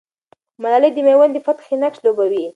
ملالۍ د مېوند د فتحې نقش لوبوي.